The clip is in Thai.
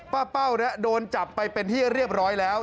เป้าโดนจับไปเป็นที่เรียบร้อยแล้ว